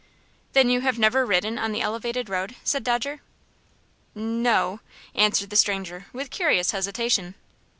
"Then you have never ridden on the elevated road?" said Dodger. "N no," answered the stranger, with curious hesitation.